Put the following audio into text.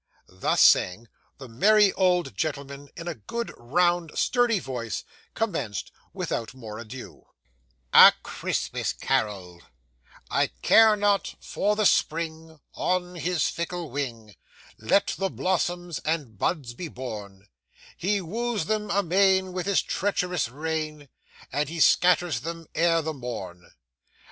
Thus saying, the merry old gentleman, in a good, round, sturdy voice, commenced without more ado A CHRISTMAS CAROL 'I care not for Spring; on his fickle wing Let the blossoms and buds be borne; He woos them amain with his treacherous rain, And he scatters them ere the morn.